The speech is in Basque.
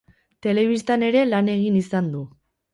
Telebistan ere lan egin izan du.